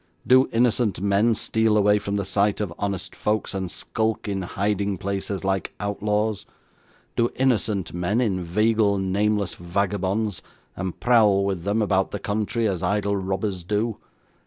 Do innocent men steal away from the sight of honest folks, and skulk in hiding places, like outlaws? Do innocent men inveigle nameless vagabonds, and prowl with them about the country as idle robbers do?